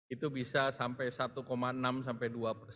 itu bisa sampai satu enam sampai dua persen